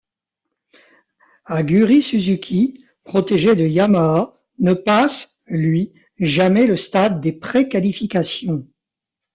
Aguri Suzuki, protégé de Yamaha, ne passe, lui, jamais le stade des pré-qualifications.